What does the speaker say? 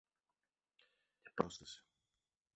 Και πρόσθεσε